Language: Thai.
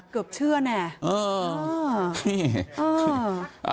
เกือบเชื่อแน่